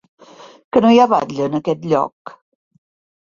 Que no hi ha batlle en aquest lloc?